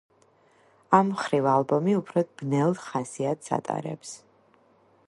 ამ მხრივ ალბომი უფრო ბნელ ხასიათს ატარებს.